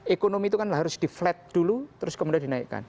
ekonomi itu kan harus di flat dulu terus kemudian dinaikkan